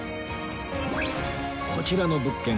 こちらの物件